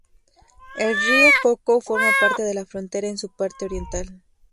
El río Coco forma parte de la frontera en su parte oriental.